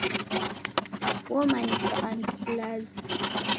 Womanyika andu kulazi.